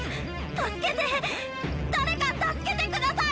助けて誰か助けてください！